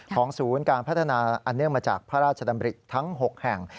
ศูนย์การพัฒนาอันเนื่องมาจากพระราชดำริทั้ง๖แห่ง